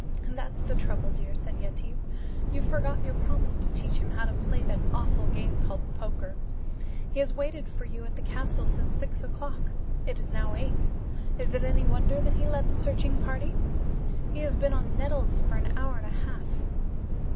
"That's the trouble, dear," said Yetive. "You forgot your promise to teach him how to play that awful game called poker. He has waited for you at the castle since six o'clock. It is now eight. Is it any wonder that he led the searching party? He has been on nettles for an hour and a half."